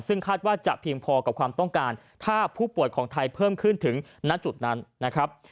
ซึ่งคาดว่าจะเพียงพอกับความต้องการถ้าผู้ป่วยของไทยเพิ่มขึ้นถึงณจุดนั้นนะครับ